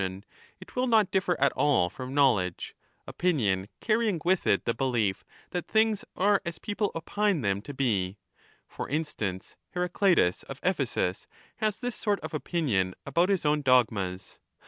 I20i^ MAGNA MORALIA it will not dififer at all from knowledge, opinion carrying with it the behef that things are as people opine them to be ; for instance, Heraclitus of Ephesus has this sort of opinion about his own dogmas.